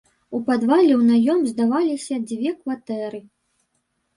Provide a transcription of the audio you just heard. У падвале ў наём здаваліся дзве кватэры.